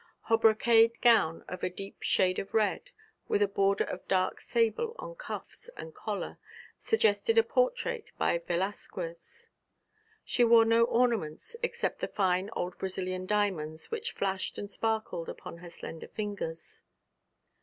Her brocade gown of a deep shade of red, with a border of dark sable on cuffs and collar, suggested a portrait by Velasquez. She wore no ornaments except the fine old Brazilian diamonds which flashed and sparkled upon her slender fingers.